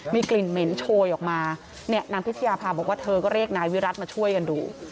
มีกลิ่นเหม็นโชยออกมาเนี่ยนางพิชยาภาบอกว่าเธอก็เรียกนายวิรัติมาช่วยกันดู